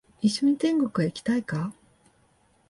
一緒に天国へ行きたいか？